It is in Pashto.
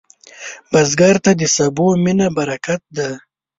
بزګر ته د سبو مینه برکت ده